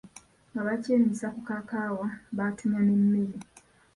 Nga bakyeminsa ku kakaawa, batumya n'emmere.